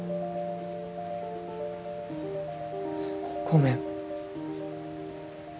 ごめん。